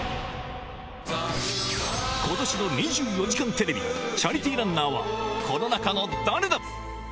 ことしの２４時間テレビチャリティーランナーは、この中の誰だ。